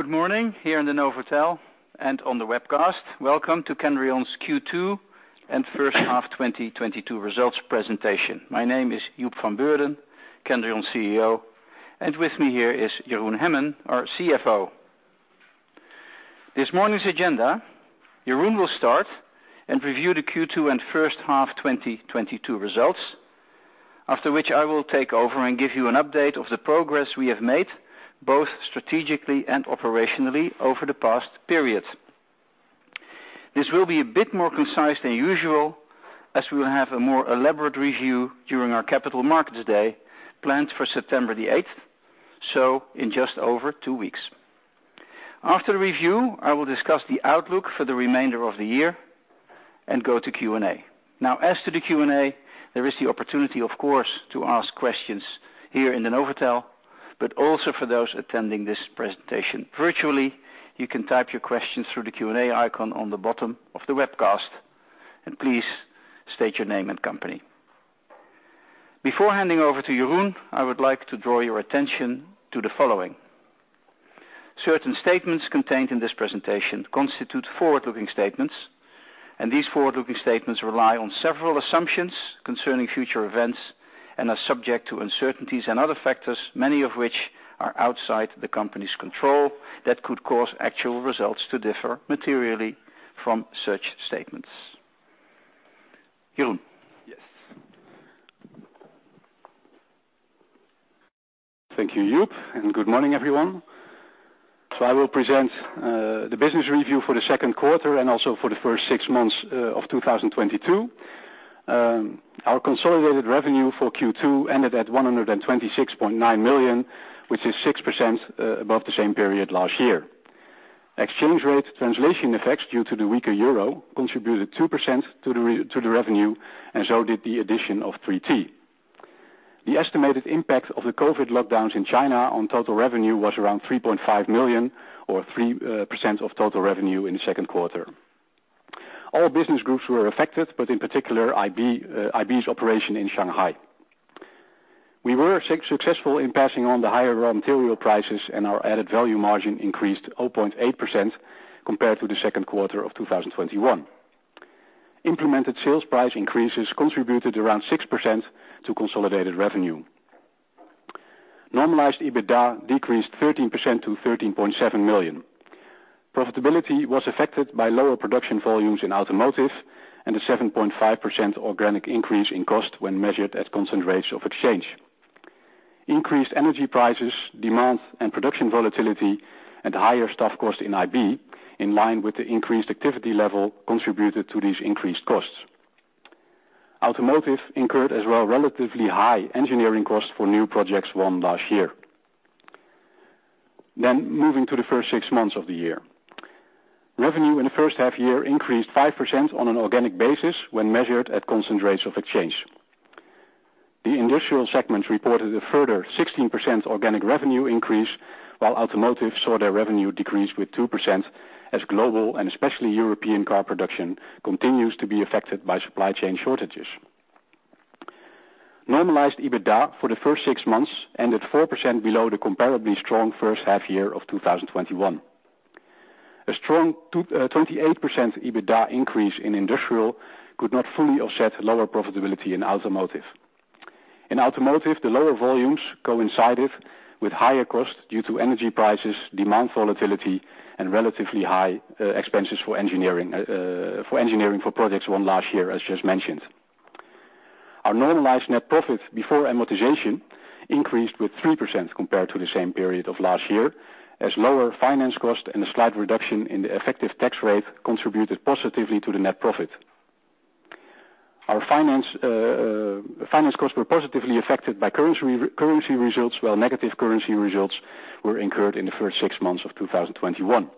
Good morning here in the Novotel and on the webcast. Welcome to Kendrion's Q2 and first half 2022 results presentation. My name is Joep van Beurden, Kendrion CEO. With me here is Jeroen Hemmen, our CFO. This morning's agenda, Jeroen will start and review the Q2 and first half 2022 results. After which I will take over and give you an update of the progress we have made, both strategically and operationally over the past period. This will be a bit more concise than usual as we'll have a more elaborate review during our capital markets day, planned for September 8, so in just over two weeks. After the review, I will discuss the outlook for the remainder of the year and go to Q&A. Now, as to the Q&A, there is the opportunity, of course, to ask questions here in the Novotel, but also for those attending this presentation virtually. You can type your questions through the Q&A icon on the bottom of the webcast, and please state your name and company. Before handing over to Jeroen, I would like to draw your attention to the following. Certain statements contained in this presentation constitute forward-looking statements, and these forward-looking statements rely on several assumptions concerning future events and are subject to uncertainties and other factors, many of which are outside the company's control, that could cause actual results to differ materially from such statements. Jeroen. Yes. Thank you, Joep, and good morning, everyone. I will present the business review for the second quarter and also for the first six months of 2022. Our consolidated revenue for Q2 ended at 126.9 million, which is 6% above the same period last year. Exchange rate translation effects due to the weaker euro contributed 2% to the revenue, and so did the addition of 3T. The estimated impact of the COVID lockdowns in China on total revenue was around 3.5 million or 3% of total revenue in the second quarter. All business groups were affected, but in particular IB's operation in Shanghai. We were successful in passing on the higher raw material prices, and our added value margin increased 0.8% compared to the second quarter of 2021. Implemented sales price increases contributed around 6% to consolidated revenue. Normalized EBITDA decreased 13% to 13.7 million. Profitability was affected by lower production volumes in automotive and a 7.5% organic increase in cost when measured at constant rates of exchange. Increased energy prices, demand and production volatility, and higher staff cost in IB, in line with the increased activity level, contributed to these increased costs. Automotive incurred as well relatively high engineering costs for new projects won last year. Moving to the first six months of the year. Revenue in the first half year increased 5% on an organic basis when measured at constant rates of exchange. The industrial segment reported a further 16% organic revenue increase, while automotive saw their revenue decrease with 2% as global and especially European car production continues to be affected by supply chain shortages. Normalized EBITDA for the first six months ended 4% below the comparably strong first half year of 2021. A strong 28% EBITDA increase in industrial could not fully offset lower profitability in automotive. In automotive, the lower volumes coincided with higher costs due to energy prices, demand volatility and relatively high expenses for engineering for projects won last year, as just mentioned. Our normalized net profit before amortization increased with 3% compared to the same period of last year, as lower finance cost and a slight reduction in the effective tax rate contributed positively to the net profit. Our finance costs were positively affected by currency results, while negative currency results were incurred in the first six months of 2021.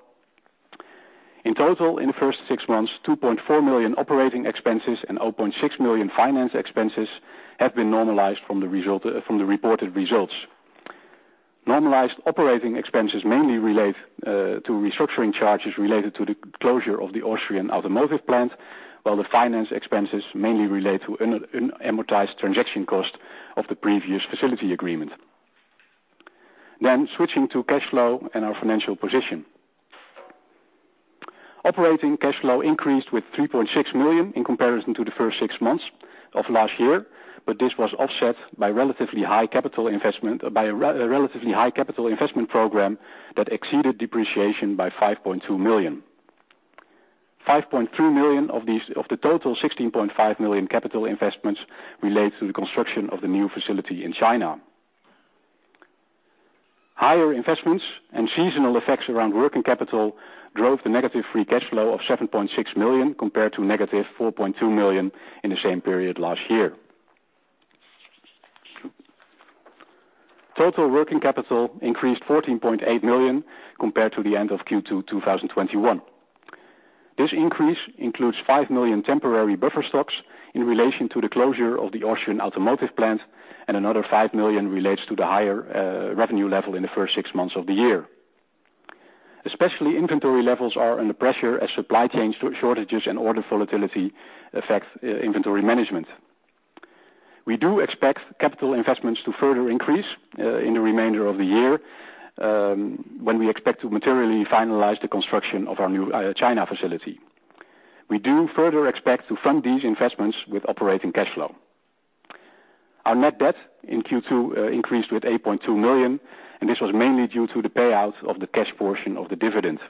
In total, in the first six months, 2.4 million operating expenses and 0.6 million finance expenses have been normalized from the reported results. Normalized operating expenses mainly relate to restructuring charges related to the closure of the Austrian automotive plant, while the finance expenses mainly relate to an amortized transaction cost of the previous facility agreement. Switching to cash flow and our financial position. Operating cash flow increased with 3.6 million in comparison to the first six months of last year, but this was offset by a relatively high capital investment program that exceeded depreciation by 5.2 million. 5.2 million of these, of the total 16.5 million capital investments relate to the construction of the new facility in China. Higher investments and seasonal effects around working capital drove the negative Free Cash Flow of 7.6 million compared to negative 4.2 million in the same period last year. Total working capital increased 14.8 million compared to the end of Q2 2021. This increase includes 5 million temporary buffer stocks in relation to the closure of the Austrian automotive plant, and another 5 million relates to the higher revenue level in the first six months of the year. Especially inventory levels are under pressure as supply chain shortages and order volatility affect inventory management. We do expect capital investments to further increase in the remainder of the year when we expect to materially finalize the construction of our new China facility. We do further expect to fund these investments with operating cash flow. Our net debt in Q2 increased with 8.2 million, and this was mainly due to the payout of the cash portion of the dividend.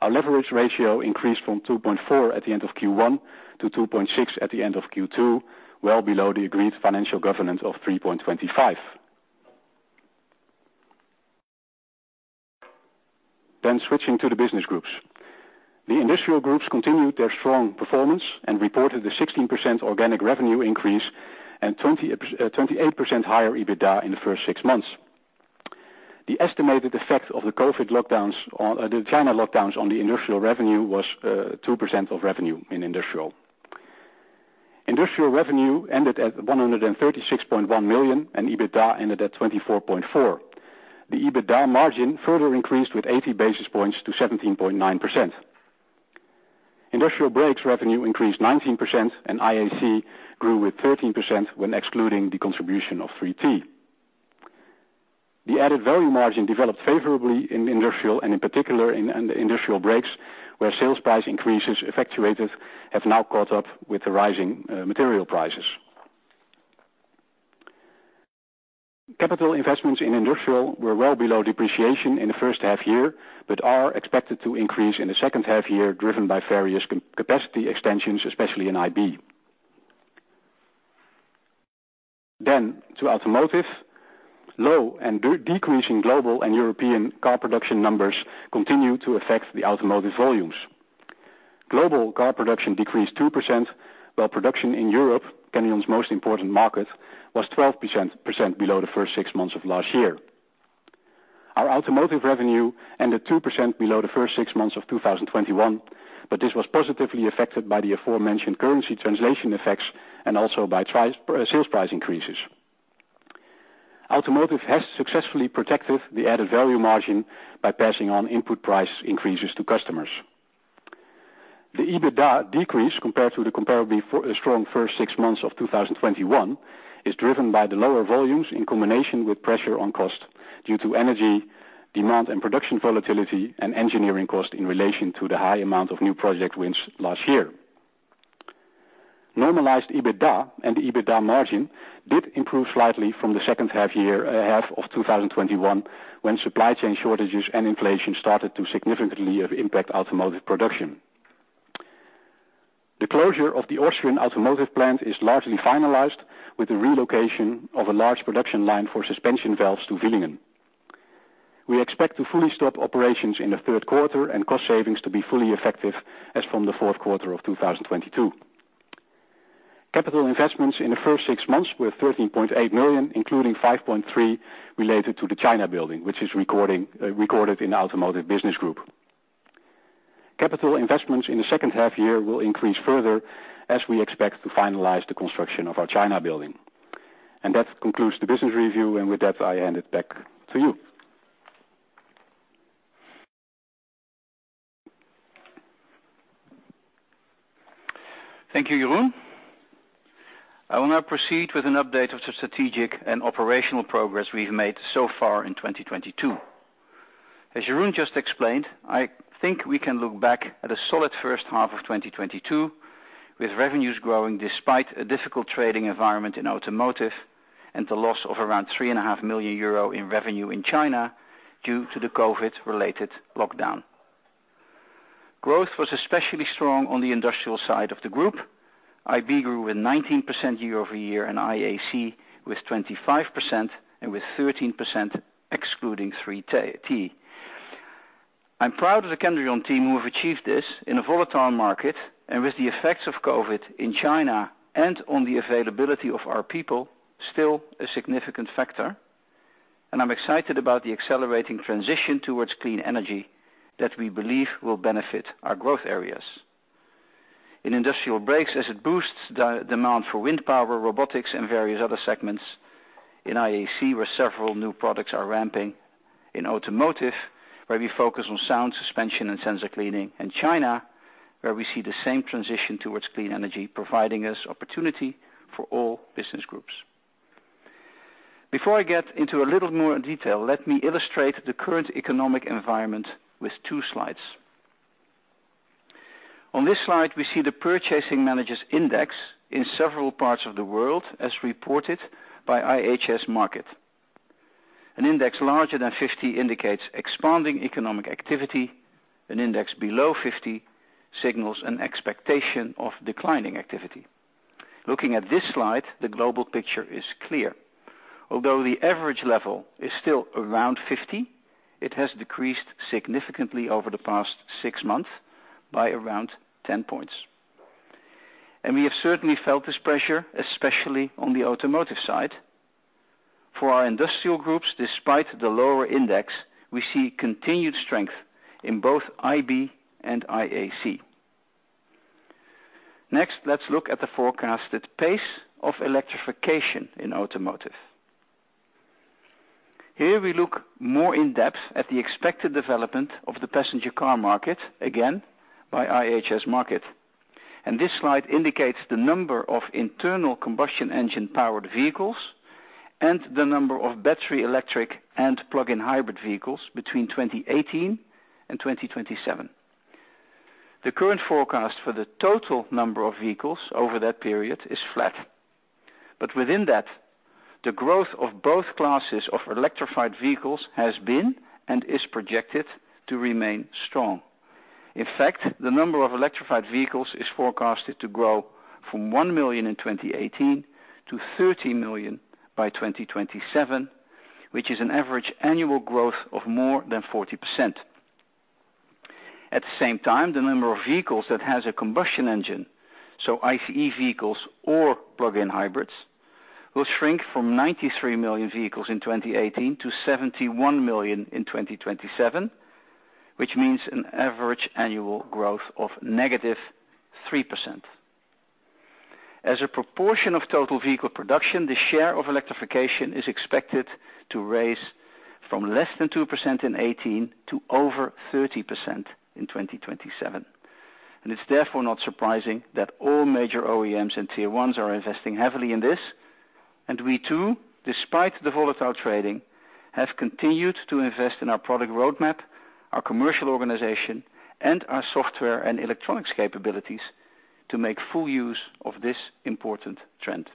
Our leverage ratio increased from 2.4% at the end of Q1 to 2.6% at the end of Q2, well below the agreed financial governance of 3.25%. Switching to the business groups. The industrial groups continued their strong performance and reported a 16% organic revenue increase and 28% higher EBITDA in the first six months. The estimated effect of the China lockdowns on the industrial revenue was 2% of revenue in Industrial. Industrial revenue ended at 136.1 million, and EBITDA ended at 24.4 million. The EBITDA margin further increased with 80 basis points to 17.9%. Industrial Brakes revenue increased 19% and IAC grew with 13% when excluding the contribution of 3T. The added value margin developed favorably in Industrial and in particular in Industrial Brakes, where sales price increases effectuated have now caught up with the rising material prices. Capital investments in Industrial were well below depreciation in the first half year, but are expected to increase in the second half year, driven by various capacity extensions, especially in IB. To Automotive. Low and decreasing global and European car production numbers continue to affect the automotive volumes. Global car production decreased 2%, while production in Europe, Kendrion's most important market, was 12% below the first six months of last year. Our automotive revenue ended 2% below the first six months of 2021, but this was positively affected by the aforementioned currency translation effects and also by price increases. Automotive has successfully protected the added value margin by passing on input price increases to customers. The EBITDA decreased compared to the comparably strong first six months of 2021, is driven by the lower volumes in combination with pressure on cost due to energy demand and production volatility and engineering cost in relation to the high amount of new project wins last year. Normalized EBITDA and EBITDA margin did improve slightly from the second half of 2021, when supply chain shortages and inflation started to significantly impact automotive production. The closure of the Austrian automotive plant is largely finalized with the relocation of a large production line for suspension valves to Villingen. We expect to fully stop operations in the third quarter and cost savings to be fully effective as from the fourth quarter of 2022. Capital investments in the first six months were 13.8 million, including 5.3 million related to the China building, which is recorded in Automotive Business Group. Capital investments in the second half year will increase further as we expect to finalize the construction of our China building. That concludes the business review, and with that, I hand it back to you. Thank you, Jeroen. I will now proceed with an update of the strategic and operational progress we've made so far in 2022. As Jeroen just explained, I think we can look back at a solid first half of 2022, with revenues growing despite a difficult trading environment in automotive and the loss of around 3.5 million euro in revenue in China due to the COVID-related lockdown. Growth was especially strong on the industrial side of the group. IB grew with 19% year-over-year and IAC with 25% and with 13% excluding 3T. I'm proud of the Kendrion team who have achieved this in a volatile market and with the effects of COVID in China and on the availability of our people, still a significant factor, and I'm excited about the accelerating transition towards clean energy that we believe will benefit our growth areas. In Industrial Brakes, as it boosts demand for wind power, robotics and various other segments, in IAC, where several new products are ramping, in Automotive, where we focus on sound suspension and sensor cleaning, and China, where we see the same transition towards clean energy, providing us opportunity for all business groups. Before I get into a little more detail, let me illustrate the current economic environment with two slides. On this slide, we see the Purchasing Managers Index in several parts of the world as reported by IHS Markit. An index larger than 50 indicates expanding economic activity. An index below 50 signals an expectation of declining activity. Looking at this slide, the global picture is clear. Although the average level is still around 50, it has decreased significantly over the past six months by around 10 points. We have certainly felt this pressure, especially on the automotive side. For our industrial groups, despite the lower index, we see continued strength in both IB and IAC. Next, let's look at the forecasted pace of electrification in automotive. Here we look more in depth at the expected development of the passenger car market, again by IHS Markit. This slide indicates the number of internal combustion engine powered vehicles and the number of battery, electric and plug-in hybrid vehicles between 2018 and 2027. The current forecast for the total number of vehicles over that period is flat. Within that, the growth of both classes of electrified vehicles has been and is projected to remain strong. In fact, the number of electrified vehicles is forecasted to grow from 1 million in 2018 to 30 million by 2027, which is an average annual growth of more than 40%. At the same time, the number of vehicles that has a combustion engine, so ICE vehicles or plug-in hybrids, will shrink from 93 million vehicles in 2018 to 71 million in 2027, which means an average annual growth of -3%. As a proportion of total vehicle production, the share of electrification is expected to raise from less than 2% in 2018 to over 30% in 2027. It's therefore not surprising that all major OEMs and tier one are investing heavily in this. We too, despite the volatile trading, have continued to invest in our product roadmap, our commercial organization, and our software and electronics capabilities to make full use of this important trend.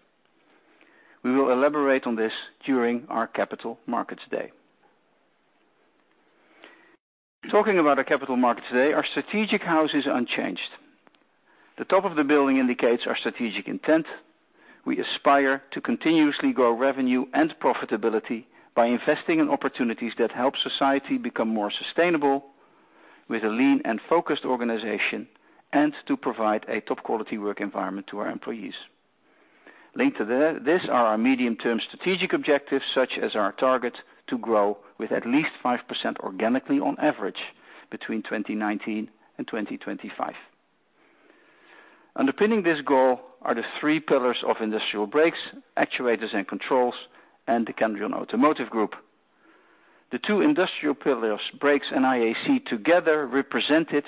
We will elaborate on this during our Capital Markets Day. Talking about our Capital Markets Day, our strategic house is unchanged. The top of the building indicates our strategic intent. We aspire to continuously grow revenue and profitability by investing in opportunities that help society become more sustainable with a lean and focused organization, and to provide a top-quality work environment to our employees. Linked to this are our medium-term strategic objectives, such as our target to grow with at least 5% organically on average between 2019 and 2025. Underpinning this goal are the three pillars of Industrial Brakes, actuators and controls, and the Kendrion Automotive Group. The two industrial pillars, Brakes and IAC, together represented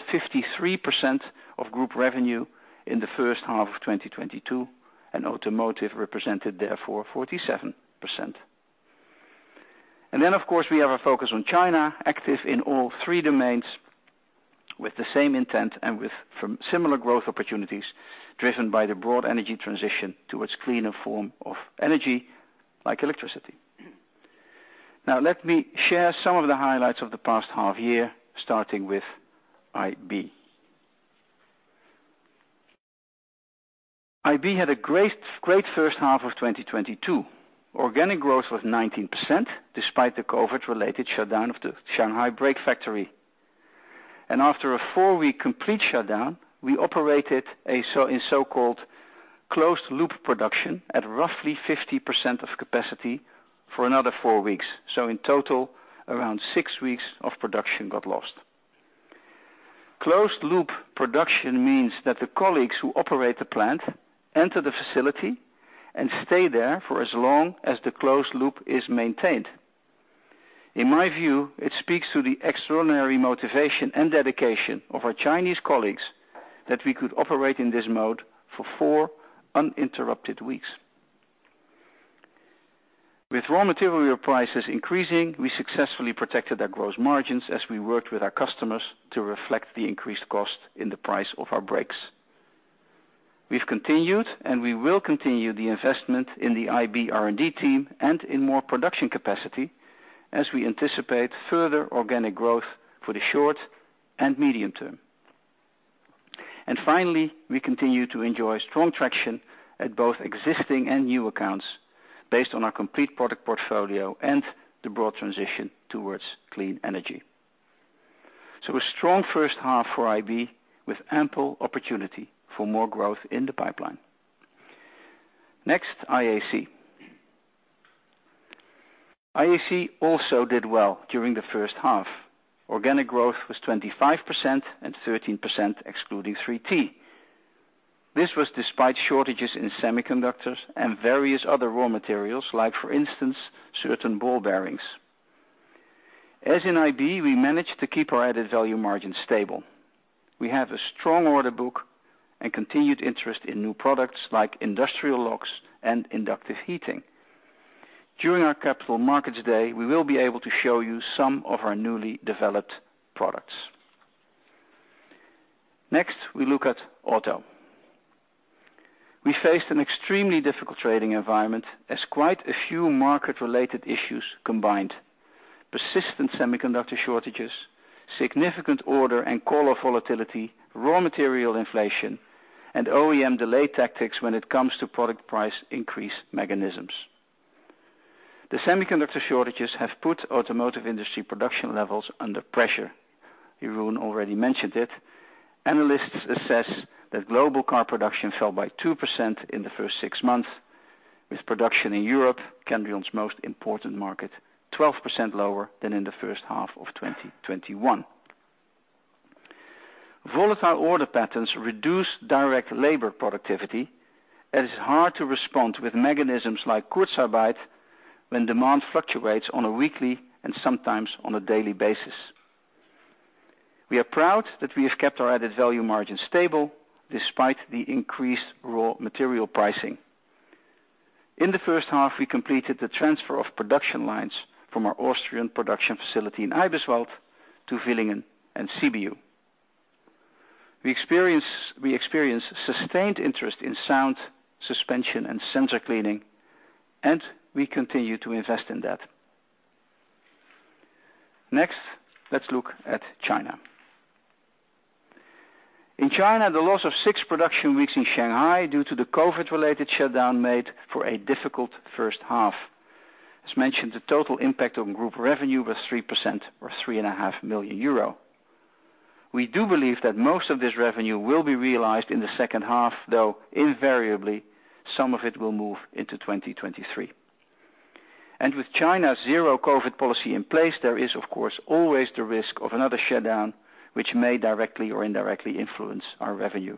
53% of group revenue in the first half of 2022, and automotive represented therefore 47%. Of course, we have a focus on China, active in all three domains with the same intent and with similar growth opportunities driven by the broad energy transition towards cleaner form of energy like electricity. Now, let me share some of the highlights of the past half year, starting with IB. IB had a great first half of 2022. Organic growth was 19% despite the COVID-related shutdown of the Shanghai brake factory. After a four-week complete shutdown, we operated in so-called closed-loop production at roughly 50% of capacity for another four weeks. In total, around six weeks of production got lost. Closed-loop production means that the colleagues who operate the plant enter the facility and stay there for as long as the closed-loop is maintained. In my view, it speaks to the extraordinary motivation and dedication of our Chinese colleagues that we could operate in this mode for four uninterrupted weeks. With raw material prices increasing, we successfully protected our gross margins as we worked with our customers to reflect the increased cost in the price of our brakes. We've continued, and we will continue the investment in the IB R&D team and in more production capacity as we anticipate further organic growth for the short and medium term. Finally, we continue to enjoy strong traction at both existing and new accounts based on our complete product portfolio and the broad transition towards clean energy. A strong first half for IB with ample opportunity for more growth in the pipeline. Next, IAC. IAC also did well during the first half. Organic growth was 25% and 13% excluding 3T. This was despite shortages in semiconductors and various other raw materials like for instance, certain ball bearings. As in IB, we managed to keep our added value margin stable. We have a strong order book and continued interest in new products like Industrial Locks and Inductive Heating. During our Capital Markets Day, we will be able to show you some of our newly developed products. Next, we look at auto. We faced an extremely difficult trading environment as quite a few market related issues combined. Persistent semiconductor shortages, significant order and call-off volatility, raw material inflation, and OEM delay tactics when it comes to product price increase mechanisms. The semiconductor shortages have put automotive industry production levels under pressure. Jeroen already mentioned it. Analysts assess that global car production fell by 2% in the first six months, with production in Europe, Kendrion's most important market, 12% lower than in the first half of 2021. Volatile order patterns reduce direct labor productivity, as it's hard to respond with mechanisms like Kurzarbeit when demand fluctuates on a weekly and sometimes on a daily basis. We are proud that we have kept our added value margin stable despite the increased raw material pricing. In the first half, we completed the transfer of production lines from our Austrian production facility in Eibiswald to Villingen and CBU. We experience sustained interest in sound suspension and sensor cleaning, and we continue to invest in that. Next, let's look at China. In China, the loss of six production weeks in Shanghai due to the COVID-related shutdown made for a difficult first half. As mentioned, the total impact on group revenue was 3% or 3.5 million euro. We do believe that most of this revenue will be realized in the second half, though, invariably, some of it will move into 2023. With China's zero COVID policy in place, there is, of course, always the risk of another shutdown, which may directly or indirectly influence our revenue.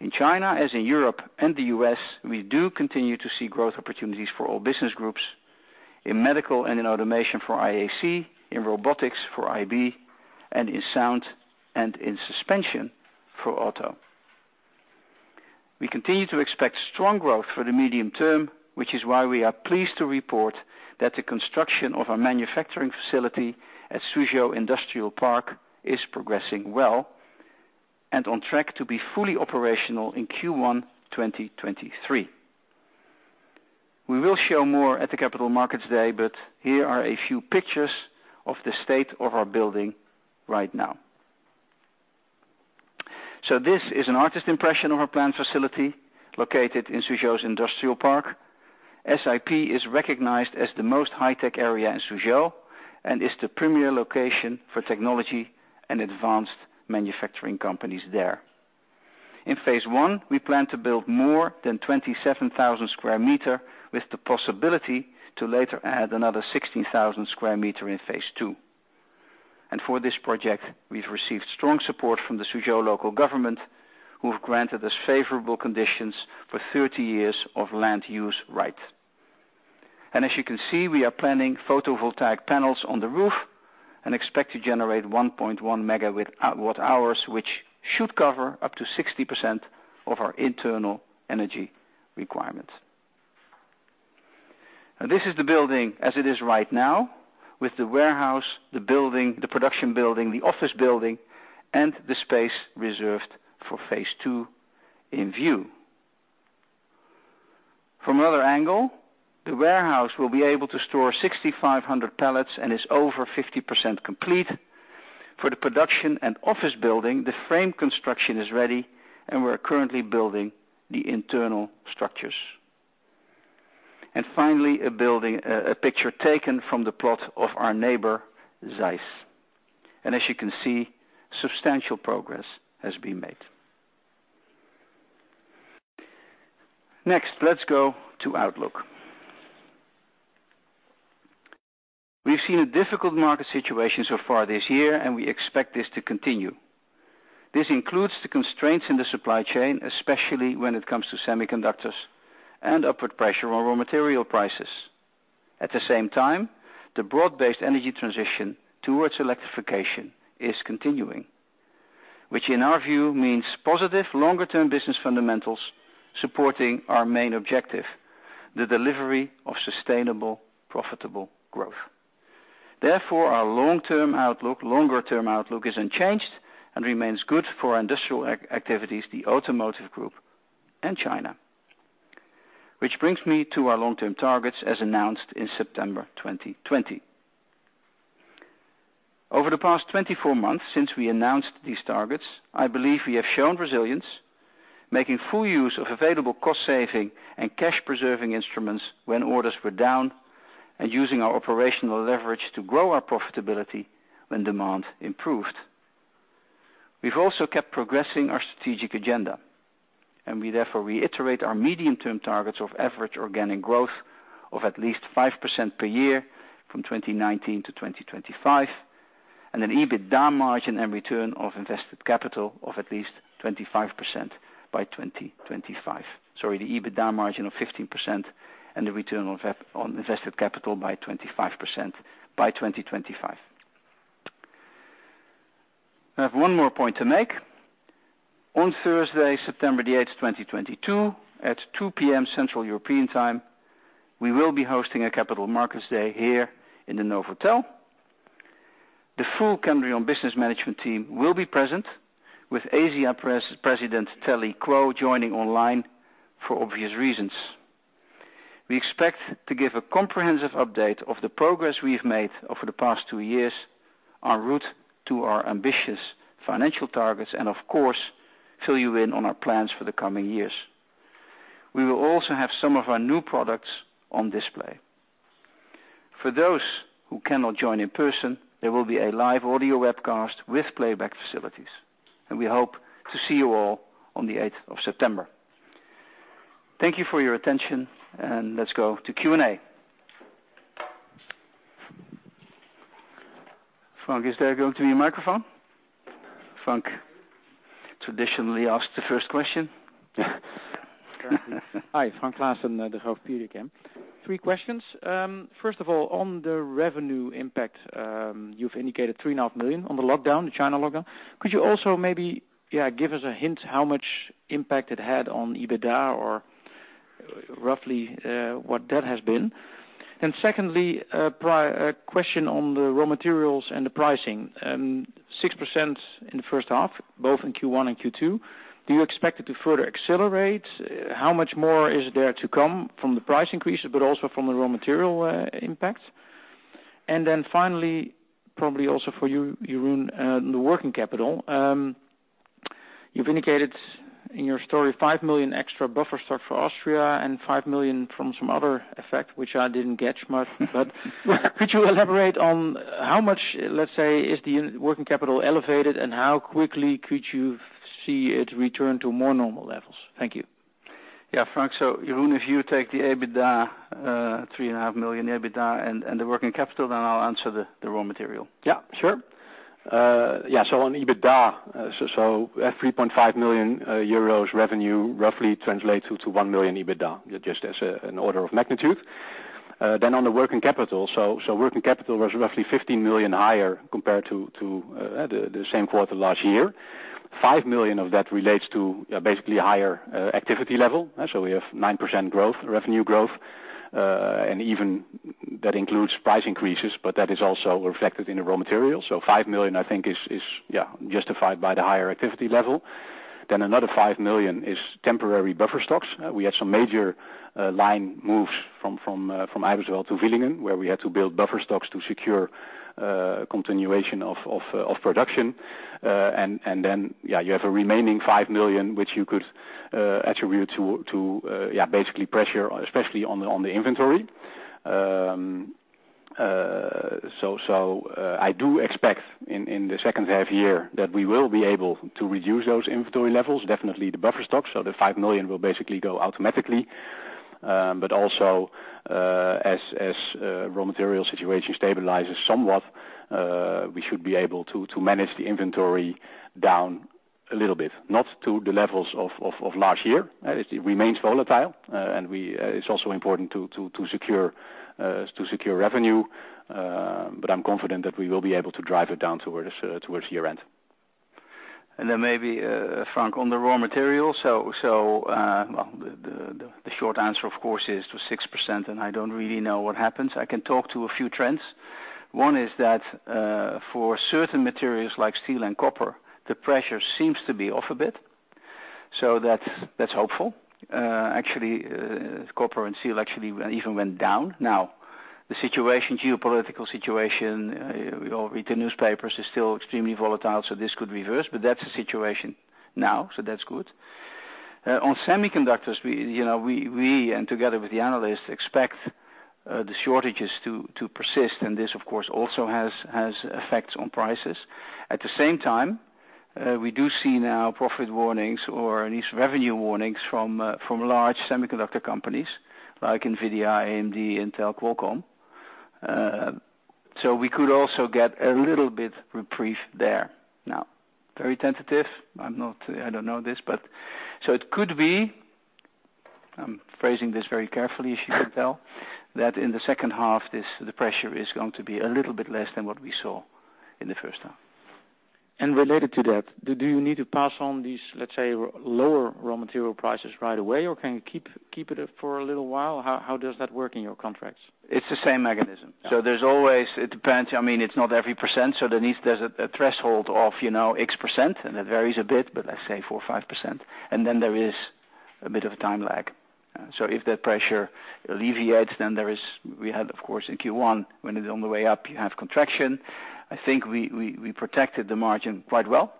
In China, as in Europe and the U.S., we do continue to see growth opportunities for all business groups. In medical and in automation for IAC, in robotics for IB, and in sound and in suspension for auto. We continue to expect strong growth for the medium term, which is why we are pleased to report that the construction of our manufacturing facility at Suzhou Industrial Park is progressing well and on track to be fully operational in Q1 2023. We will show more at the Capital Markets Day, but here are a few pictures of the state of our building right now. This is an artist's impression of our plant facility located in Suzhou's Industrial Park. SIP is recognized as the most high-tech area in Suzhou and is the premier location for technology and advanced manufacturing companies there. In phase I, we plan to build more than 27,000 square meters with the possibility to later add another 16,000 square meter in phase II. For this project, we've received strong support from the Suzhou local government, who have granted us favorable conditions for 30 years of land use right. As you can see, we are planning photovoltaic panels on the roof and expect to generate 1.1 MWh, which should cover up to 60% of our internal energy requirements. This is the building as it is right now with the warehouse, the building, the production building, the office building, and the space reserved for phase II in view. From another angle, the warehouse will be able to store 6,500 pallets and is over 50% complete. For the production and office building, the frame construction is ready, and we're currently building the internal structures. Finally, a picture taken from the plot of our neighbor, ZEISS. As you can see, substantial progress has been made. Next, let's go to outlook. We've seen a difficult market situation so far this year, and we expect this to continue. This includes the constraints in the supply chain, especially when it comes to semiconductors and upward pressure on raw material prices. At the same time, the broad-based energy transition towards electrification is continuing, which in our view means positive longer-term business fundamentals supporting our main objective, the delivery of sustainable, profitable growth. Therefore, our long-term outlook, longer term outlook is unchanged and remains good for industrial IAC activities, the automotive group, and China. Which brings me to our long-term targets as announced in September 2020. Over the past 24 months since we announced these targets, I believe we have shown resilience, making full use of available cost-saving and cash-preserving instruments when orders were down, and using our operational leverage to grow our profitability when demand improved. We've also kept progressing our strategic agenda, and we therefore reiterate our medium-term targets of average organic growth of at least 5% per year from 2019-2025, and an EBITDA margin and Return on Invested Capital of at least 25% by 2025. Sorry, the EBITDA margin of 15% and the Return on Invested Capital by 25% by 2025. I have one more point to make. On Thursday, September 8, 2022, at 2:00 P.M. Central European Time, we will be hosting a Capital Markets Day here in the Novotel. The full Kendrion business management team will be present, with Asia President Telly Kuo joining online for obvious reasons. We expect to give a comprehensive update of the progress we've made over the past two years, our route to our ambitious financial targets, and of course, fill you in on our plans for the coming years. We will also have some of our new products on display. For those who cannot join in person, there will be a live audio webcast with playback facilities. We hope to see you all on the eighth of September. Thank you for your attention, and let's go to Q&A. Frank, is there going to be a microphone? Frank traditionally asks the first question. Hi, Frank Claassen, Degroof Petercam. Three questions. First of all, on the revenue impact, you've indicated 3.5 million on the lockdown, the China lockdown. Could you also maybe, yeah, give us a hint how much impact it had on EBITDA or roughly, what that has been? Secondly, a question on the raw materials and the pricing. 6% in the first half, both in Q1 and Q2. Do you expect it to further accelerate? How much more is there to come from the price increases, but also from the raw material, impact? Then finally, probably also for you, Jeroen, the working capital. You've indicated in your story 5 million extra buffer stock for Austria and 5 million from some other effect, which I didn't catch much. Could you elaborate on how much, let's say, is the working capital elevated and how quickly could you see it return to more normal levels? Thank you. Yeah. Frank, Jeroen, if you take the EBITDA, 3.5 million EBITDA and the working capital, then I'll answer the raw material. Yeah, sure. Yeah. On EBITDA, 3.5 million euros revenue roughly translates to 1 milion EBITDA, just as an order of magnitude. On the working capital, working capital was roughly 15 million higher compared to the same quarter last year. 5 million of that relates to basically higher activity level. We have 9% growth, revenue growth, and even that includes price increases, but that is also reflected in the raw material. 5 million, I think, is justified by the higher activity level. Another 5 million is temporary buffer stocks. We had some major line moves from Eibiswald to Villingen, where we had to build buffer stocks to secure continuation of production. You have a remaining 5 million, which you could attribute to basically pressure, especially on the inventory. I do expect in the second half year that we will be able to reduce those inventory levels, definitely the buffer stocks. The 5 million will basically go automatically. But also, as the raw material situation stabilizes somewhat, we should be able to manage the inventory down a little bit. Not to the levels of last year. It remains volatile, and it's also important to secure revenue, but I'm confident that we will be able to drive it down towards year-end. Maybe Frank, on the raw materials. The short answer, of course, is to 6%, and I don't really know what happens. I can talk to a few trends. One is that for certain materials like steel and copper, the pressure seems to be off a bit, so that's hopeful. Copper and steel actually even went down. Now, the situation, geopolitical situation, we all read the newspapers, is still extremely volatile, so this could reverse, but that's the situation now, so that's good. On semiconductors, we, you know, and together with the analysts, expect the shortages to persist, and this, of course, also has effects on prices. At the same time, we do see now profit warnings or at least revenue warnings from large semiconductor companies like NVIDIA, AMD, Intel, Qualcomm. We could also get a little bit reprieve there. Now, very tentative. I don't know this, but it could be, I'm phrasing this very carefully, as you can tell, that in the second half, this, the pressure is going to be a little bit less than what we saw in the first half. Related to that, do you need to pass on these, let's say, lower raw material prices right away, or can you keep it up for a little while? How does that work in your contracts? It's the same mechanism. Yeah. There's always, it depends. I mean, it's not every percent, so there needs to be a threshold of, you know, X%, and it varies a bit, but let's say 4% or 5%. Then there is a bit of a time lag. If that pressure alleviates, we had, of course, in Q1, when it's on the way up, you have contraction. I think we protected the margin quite well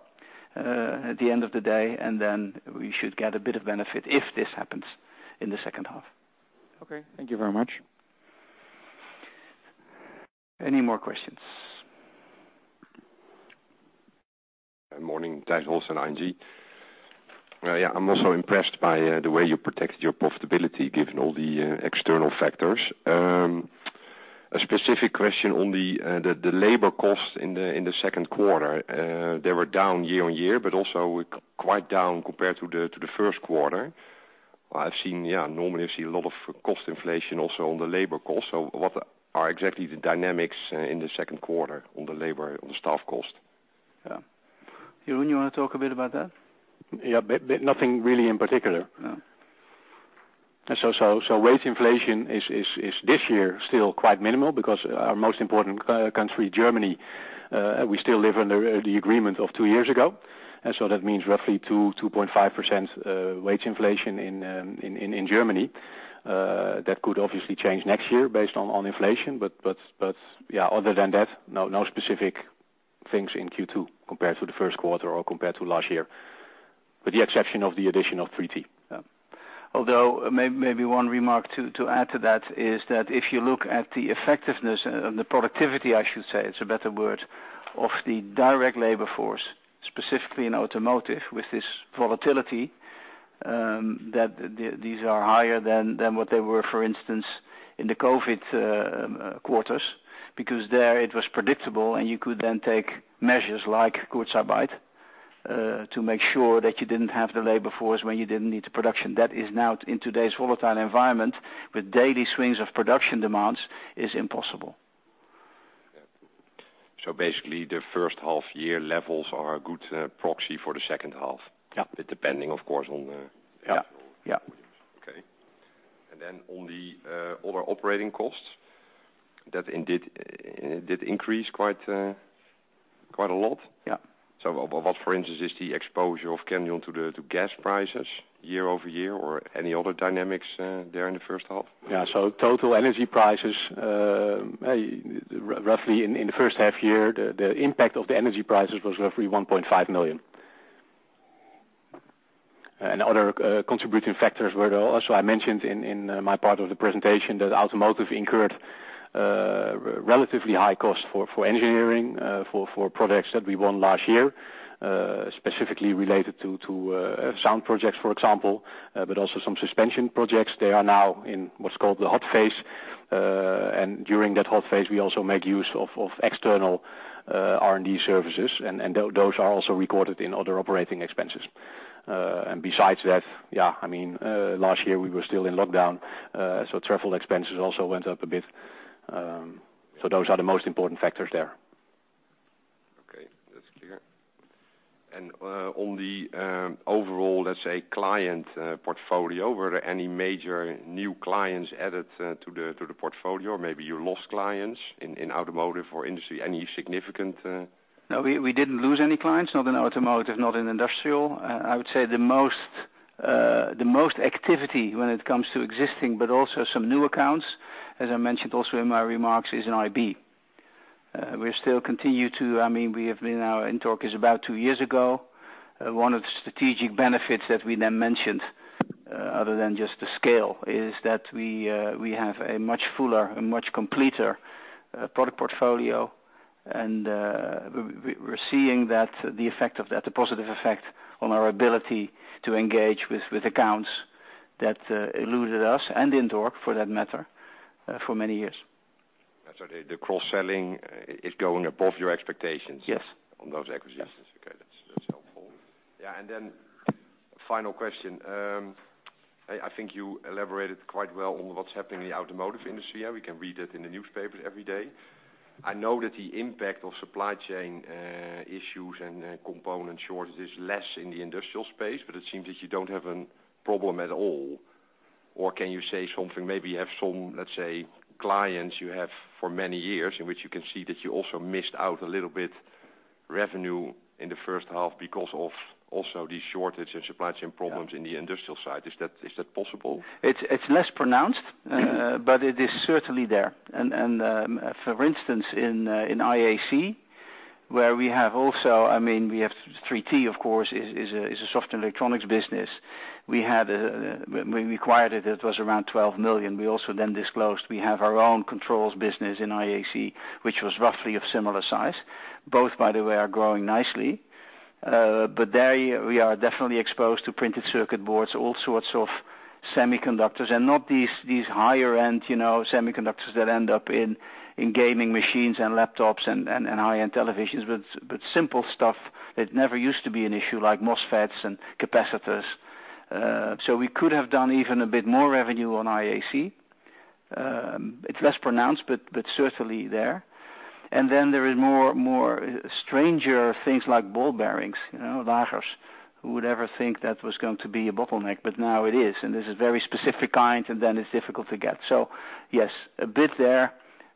at the end of the day, and then we should get a bit of benefit if this happens in the second half. Okay. Thank you very much. Any more questions? Morning. Tijs Hollestelle, ING. Yeah, I'm also impressed by the way you protected your profitability given all the external factors. A specific question on the labor cost in the second quarter. They were down year-on-year, but also quite down compared to the first quarter. I've seen, yeah, normally I've seen a lot of cost inflation also on the labor cost. What are exactly the dynamics in the second quarter on the labor, on the staff cost? Yeah. Jeroen, you wanna talk a bit about that? Yeah. Nothing really in particular. No. Wage inflation is this year still quite minimal because our most important core country, Germany, we still live under the agreement of two years ago. That means roughly 2.5% wage inflation in Germany. That could obviously change next year based on inflation. Yeah, other than that, no specific things in Q2 compared to the first quarter or compared to last year, with the exception of the addition of 3T. Yeah. Although maybe one remark to add to that is that if you look at the effectiveness and the productivity, I should say, it's a better word, of the direct labor force, specifically in automotive with this volatility, that these are higher than what they were, for instance, in the COVID quarters, because there it was predictable and you could then take measures like Kurzarbeit to make sure that you didn't have the labor force when you didn't need the production. That is now, in today's volatile environment, with daily swings of production demands, is impossible. Yeah. Basically, the first half year levels are a good proxy for the second half? Yeah. Depending, of course, on the. Yeah, yeah.... actual volumes. Okay. Then on the other operating costs, that indeed, it did increase quite a lot. Yeah. What, for instance, is the exposure of Kendrion to gas prices year-over-year, or any other dynamics there in the first half? Yeah. Total energy prices, roughly in the first half-year, the impact of the energy prices was roughly 1.5 million. Other contributing factors were also, I mentioned in my part of the presentation, that automotive incurred relatively high cost for engineering for projects that we won last year, specifically related to sound projects, for example, but also some suspension projects. They are now in what's called the hot phase. During that hot phase, we also make use of external R&D services, and those are also recorded in other operating expenses. Besides that, yeah, I mean, last year we were still in lockdown, so travel expenses also went up a bit. Those are the most important factors there. Okay, that's clear. On the overall, let's say, client portfolio, were there any major new clients added to the portfolio? Maybe you lost clients in automotive or industry? Any significant? No, we didn't lose any clients, not in automotive, not in industrial. I would say the most activity when it comes to existing, but also some new accounts, as I mentioned also in my remarks, is in IB. Our INTORQ is about two years ago. One of the strategic benefits that we then mentioned, other than just the scale, is that we have a much fuller and much completer product portfolio. We're seeing that, the effect of that, the positive effect on our ability to engage with accounts that eluded us, and INTORQ for that matter, for many years. The cross-selling is going above your expectations. Yes on those acquisitions? Yes. Okay, that's helpful. Yeah. Final question. I think you elaborated quite well on what's happening in the automotive industry. We can read it in the newspapers every day. I know that the impact of supply chain issues and component shortage is less in the industrial space, but it seems that you don't have a problem at all. Can you say something? Maybe you have some clients you have for many years in which you can see that you also missed out a little bit revenue in the first half because of also the shortage and supply chain problems in the industrial side. Is that possible? It's less pronounced, but it is certainly there. For instance, in IAC, where we have also, I mean, we have 3T, of course, is a soft electronics business. We had, when we acquired it was around 12 million. We also then disclosed we have our own controls business in IAC, which was roughly of similar size. Both, by the way, are growing nicely. But there we are definitely exposed to printed circuit boards, all sorts of semiconductors, and not these higher end, you know, semiconductors that end up in gaming machines and laptops and high-end televisions, but simple stuff that never used to be an issue, like MOSFETs and capacitors. So we could have done even a bit more revenue on IAC. It's less pronounced, but certainly there. There is more stranger things like ball bearings, you know, lagers. Who would ever think that was going to be a bottleneck, but now it is. This is very specific kind, and then it's difficult to get. Yes, a bit there,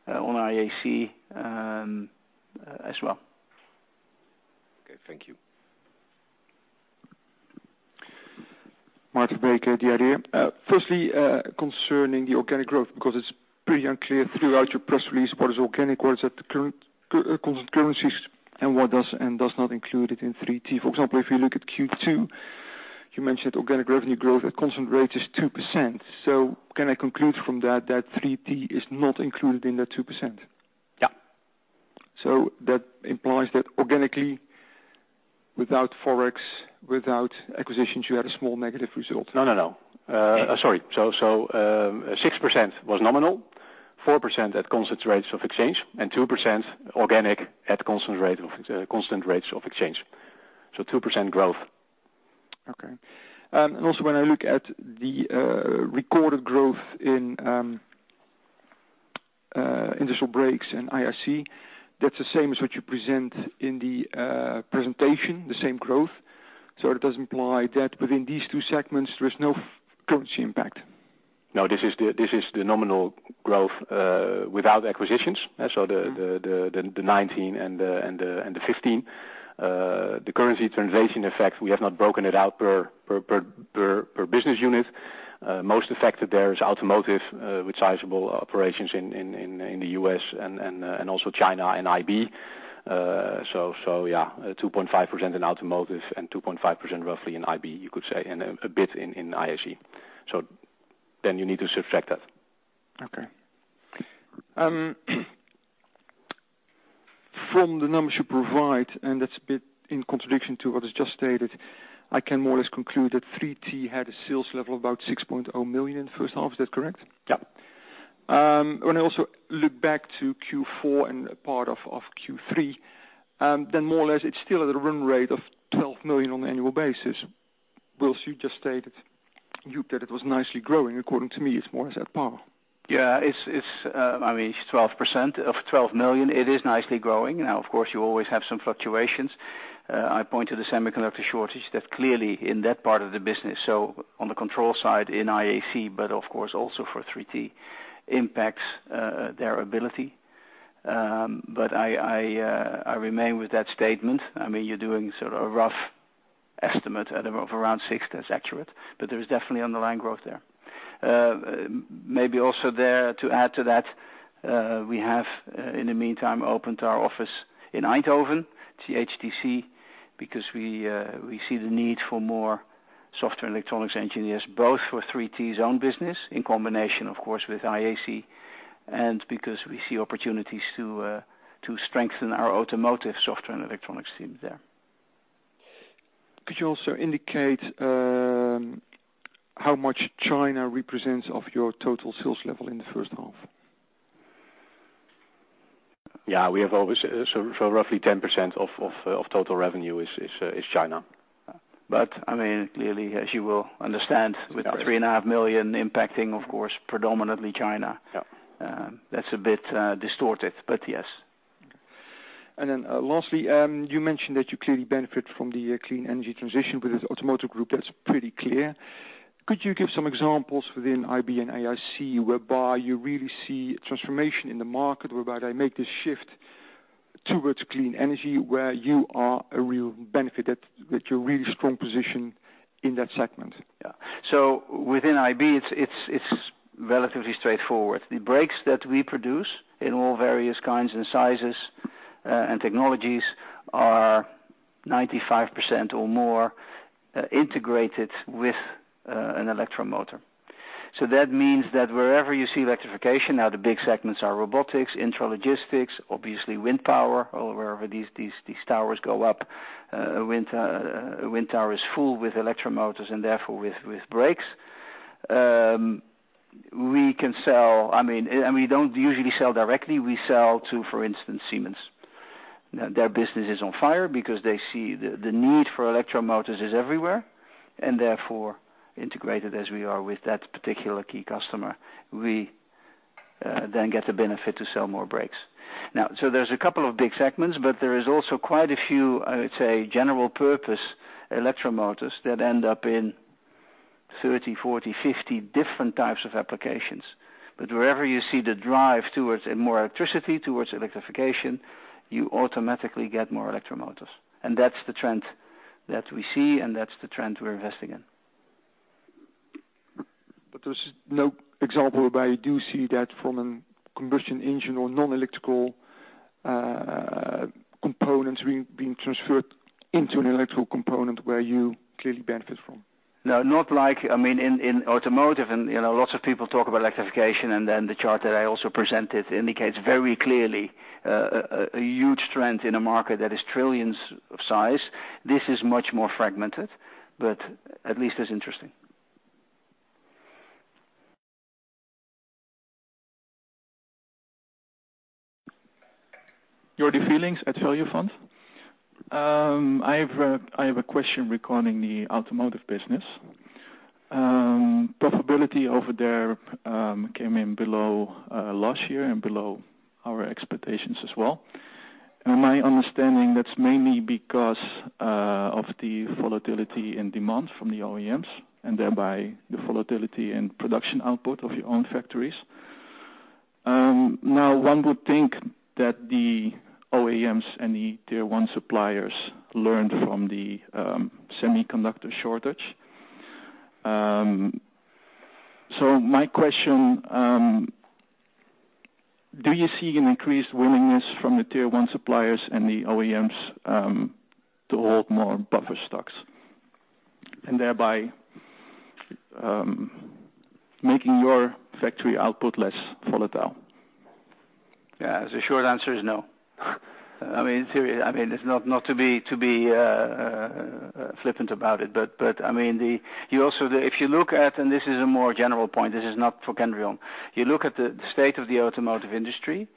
on IAC, as well. Okay. Thank you. Martijn den Drijver, ABN AMRO. Firstly, concerning the organic growth, because it's pretty unclear throughout your press release what is organic, what is at the current, constant currencies, and what does and does not include it in 3T? For example, if you look at Q2, you mentioned organic revenue growth at constant currencies is 2%. Can I conclude from that that 3T is not included in that 2%? Yeah. that implies that organically, without Forex, without acquisitions, you had a small negative result. No, no. Sorry. 6% was nominal, 4% at constant rates of exchange, and 2% organic at constant rates of exchange. 2% growth. Okay. Also when I look at the recorded growth in Industrial Brakes and IAC, that's the same as what you present in the presentation, the same growth. It does imply that within these two segments, there is no currency impact. No, this is the nominal growth without acquisitions. The 19 and the 15. The currency translation effects, we have not broken it out per business unit. Most affected there is Automotive, with sizable operations in the U.S. and also China and IB. Yeah, 2.5% in Automotive and 2.5% roughly in IB, you could say, and a bit in IAC. Then you need to subtract that. Okay. From the numbers you provide, and that's a bit in contradiction to what is just stated, I can more or less conclude that 3T had a sales level of about 6.0 million first half. Is that correct? Yeah. When I also look back to Q4 and part of Q3, then more or less it's still at a run rate of 12 million on an annual basis. Well, as you just stated, that it was nicely growing. According to me, it's more or less at par. Yeah, it's 12%. Of 12 million, it is nicely growing. Now, of course, you always have some fluctuations. I point to the semiconductor shortage that clearly in that part of the business, so on the control side in IAC, but of course also for 3T, impacts their ability. I remain with that statement. I mean, you're doing sort of a rough estimate of around 6%. That's accurate. There is definitely underlying growth there. Maybe also there, to add to that, we have, in the meantime, opened our office in Eindhoven, HTC, because we see the need for more software and electronics engineers, both for 3T's own business in combination, of course, with IAC, and because we see opportunities to strengthen our automotive software and electronics team there. Could you also indicate how much China represents of your total sales level in the first half? Yeah. We have always, so roughly 10% of total revenue is China. I mean, clearly, as you will understand, with the 3.5 million impacting, of course, predominantly China. Yeah. That's a bit distorted. Yes. Lastly, you mentioned that you clearly benefit from the clean energy transition with this automotive group. That's pretty clear. Could you give some examples within IB and IAC whereby you really see transformation in the market, whereby they make this shift towards clean energy, where you are a real beneficiary, that you're really strong position in that segment? Yeah. Within IB, it's relatively straightforward. The brakes that we produce in all various kinds and sizes and technologies are 95% or more integrated with an electric motor. That means that wherever you see electrification, now the big segments are robotics, intralogistics, obviously wind power or wherever these towers go up, a wind tower is full with electric motors and therefore with brakes. We can sell. I mean, we don't usually sell directly. We sell to, for instance, Siemens. Now, their business is on fire because they see the need for electric motors is everywhere, and therefore, integrated as we are with that particular key customer, we then get the benefit to sell more brakes. Now, there's a couple of big segments, but there is also quite a few, I would say, general purpose electro motors that end up in 30, 40, 50 different types of applications. Wherever you see the drive towards more electricity, towards electrification, you automatically get more electro motors. That's the trend that we see, and that's the trend we're investing in. There's no example whereby you do see that from a combustion engine or non-electrical components being transferred into an electrical component where you clearly benefit from? No, not like I mean, in automotive and, you know, lots of people talk about electrification, and then the chart that I also presented indicates very clearly a huge trend in a market that is trillions of size. This is much more fragmented, but at least it's interesting. Jordi Fierlings at Add Value Fund. I have a question regarding the automotive business. Profitability over there came in below last year and below our expectations as well. My understanding, that's mainly because of the volatility and demand from the OEMs and thereby the volatility and production output of your own factories. Now one would think that the OEMs and the tier one suppliers learned from the semiconductor shortage. My question, do you see an increased willingness from the tier one suppliers and the OEMs to hold more buffer stocks and thereby making your factory output less volatile? Yeah. The short answer is no. I mean, it's not to be flippant about it, but I mean, if you look at. This is a more general point. This is not for Kendrion. You look at the state of the automotive industry,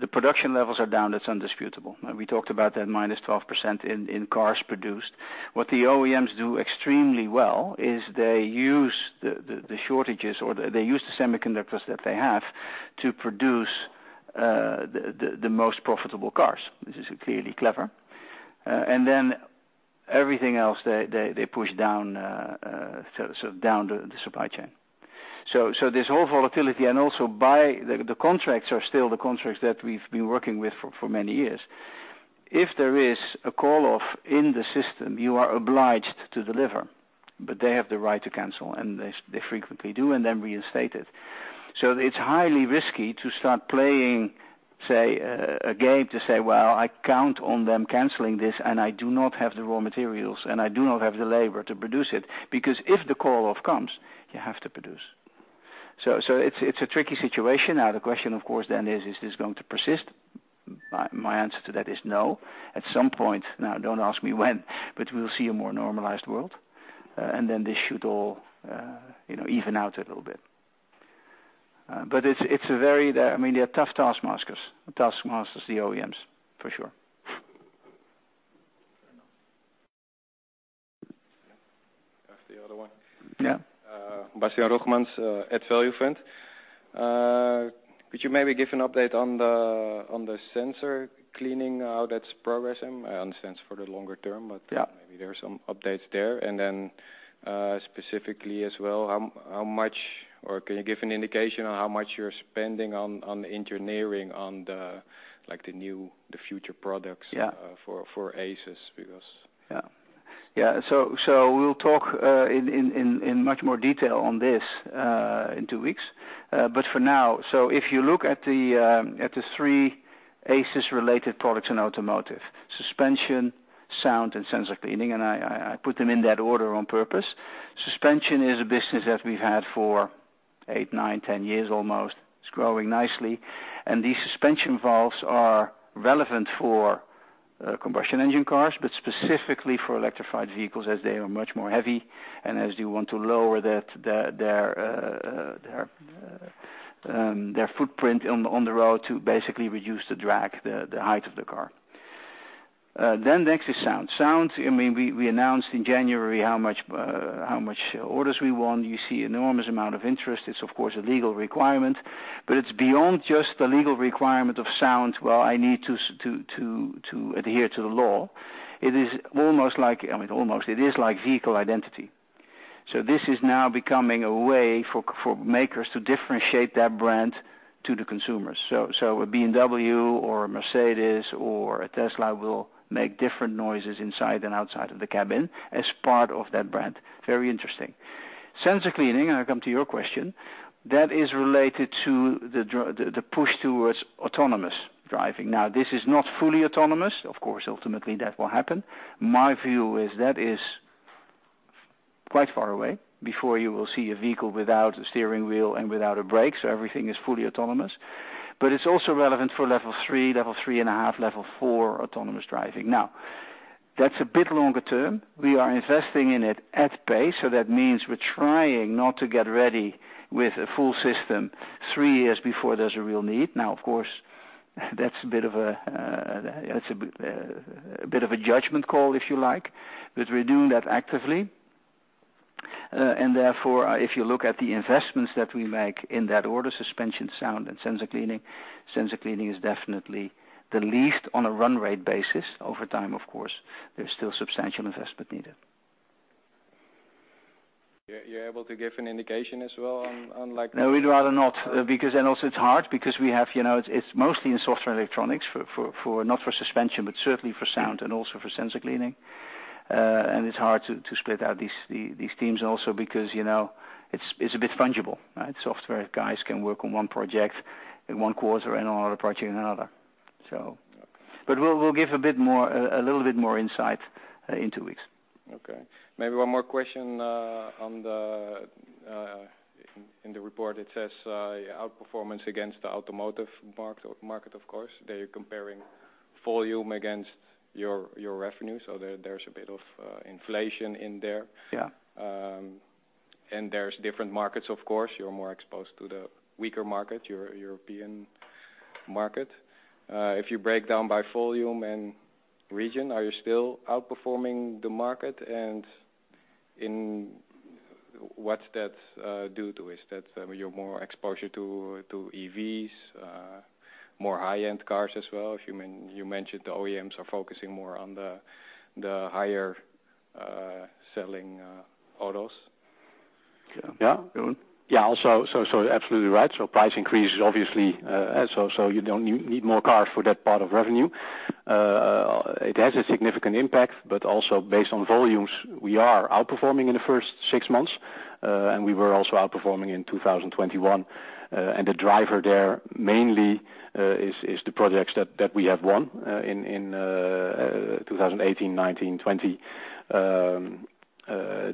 the production levels are down. That's indisputable. We talked about that -12% in car produced. What the OEMs do extremely well is they use the shortages or they use the semiconductors that they have to produce the most profitable cars. This is clearly clever. Then everything else, they push down so down the supply chain. This whole volatility and also by the contracts are still the contracts that we've been working with for many years. If there is a call off in the system, you are obliged to deliver, but they have the right to cancel, and they frequently do and then reinstate it. It's highly risky to start playing, say, a game to say, "Well, I count on them canceling this, and I do not have the raw materials, and I do not have the labor to produce it." Because if the call off comes, you have to produce. It's a tricky situation. Now, the question of course then is this going to persist? My answer to that is no. At some points, now don't ask me when, but we'll see a more normalized world, and then this should all, you know, even out a little bit. It's. I mean, they're tough taskmasters, the OEMs, for sure. Fair enough. Ask the other one. Yeah. Bastiaan Rogmans at Add Value Fund. Could you maybe give an update on the sensor cleaning, how that's progressing? I understand it's for the longer term. Yeah maybe there are some updates there. Then, specifically as well, how much or can you give an indication on how much you're spending on the engineering on the, like, the new, the future products? Yeah for ACES? Because- We'll talk in much more detail on this in two weeks. For now, if you look at the three ACES-related products in automotive, Suspension, Sound, and Sensor Cleaning, and I put them in that order on purpose. Suspension is a business that we've had for eight, nine, 10 years almost. It's growing nicely. These Suspension Valves are relevant for combustion engine cars, but specifically for electrified vehicles, as they are much more heavy, and as they want to lower their footprint on the road to basically reduce the drag, the height of the car. Next is Sound. Sound, I mean, we announced in January how much orders we won. You see enormous amount of interest. It's of course a legal requirement. It's beyond just the legal requirement of sound. Well, I need to adhere to the law. It is almost like. I mean, almost, it is like vehicle identity. This is now becoming a way for makers to differentiate their brand to the consumers. A BMW or a Mercedes-Benz or a Tesla will make different noises inside than outside of the cabin as part of that brand. Very interesting. Sensor cleaning, I come to your question, that is related to the push towards autonomous driving. Now, this is not fully autonomous. Of course, ultimately that will happen. My view is that is quite far away before you will see a vehicle without a steering wheel and without a brake, so everything is fully autonomous. It's also relevant for level three, level three and a half, level four autonomous driving. Now, that's a bit longer term. We are investing in it at pace, so that means we're trying not to get ready with a full system three years before there's a real need. Now, of course, that's a bit of a judgment call, if you like. We're doing that actively. Therefore, if you look at the investments that we make in that order, Suspension, Sound, and Sensor Cleaning, Sensor Cleaning is definitely the least on a run rate basis. Over time, of course, there's still substantial investment needed. You're able to give an indication as well on like No, we'd rather not, because it's also hard because we have, you know. It's mostly in software electronics. Not for Suspension, but certainly for Sound and also for Sensor Cleaning. It's hard to split out these teams also because, you know, it's a bit fungible, right? Software guys can work on one project in one quarter and on another project in another, so. Okay. We'll give a bit more, a little bit more insight in two weeks. Okay. Maybe one more question. In the report it says outperformance against the automotive market, of course. They're comparing volume against your revenue, so there's a bit of inflation in there. Yeah. There's different markets, of course. You're more exposed to the weaker market, your European market. If you break down by volume and region, are you still outperforming the market? What's that due to? Is that, I mean, your more exposure to EVs, more high-end cars as well? You mentioned the OEMs are focusing more on the higher selling autos. Yeah. Yeah, also absolutely right. Price increases obviously. You don't need more cars for that part of revenue. It has a significant impact. But also based on volumes, we are outperforming in the first six months, and we were also outperforming in 2021. The driver there mainly is the projects that we have won in 2018, 2019, 2020.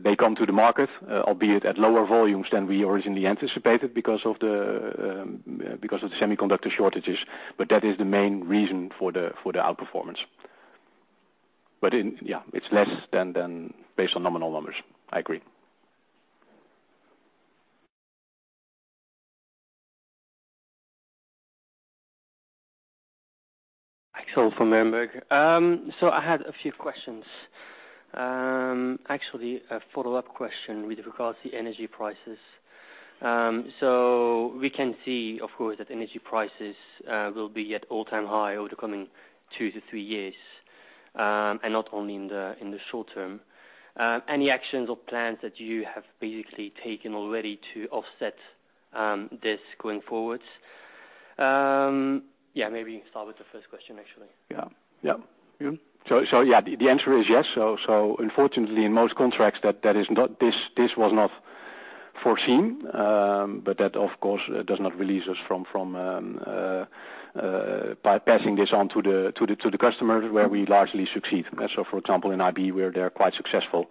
They come to the market, albeit at lower volumes than we originally anticipated because of the semiconductor shortages, but that is the main reason for the outperformance. Yeah, it's less than based on nominal numbers. I agree. Axel from Berenberg. So I had a few questions. Actually, a follow-up question with regards to the energy prices. So, we can see of course that energy prices will be at all-time high over the coming two to three years, and not only in the short term. Any actions or plans that you have basically taken already to offset this going forward? Yeah, maybe you can start with the first question, actually. Yeah. The answer is yes. Unfortunately, in most contracts that is not. This was not foreseen. But that of course does not release us from bypassing this on to the customers where we largely succeed. So for example, in IB where they're quite successful,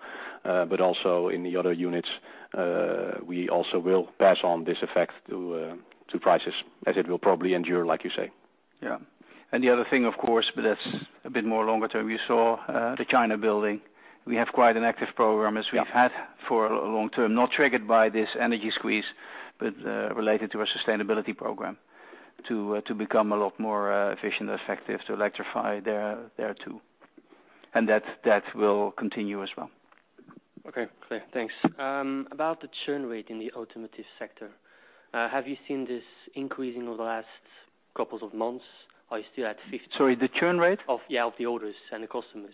but also in the other units, we also will pass on this effect to prices, as it will probably endure, like you say. Yeah. The other thing, of course, but that's a bit more longer-term. You saw the China building. We have quite an active program as we've had for a long term, not triggered by this energy squeeze, but related to our sustainability program to become a lot more efficient and effective, to electrify there too. That will continue as well. Okay, clear. Thanks. About the churn rate in the automotive sector, have you seen an increase over the last couple of months? Are you still at 50%? Sorry, the churn rate? Of the orders and the customers.